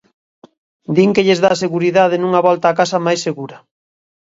Din que lles dá seguridade nunha volta a casa máis segura.